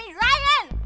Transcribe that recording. jangan nyangka aku ryan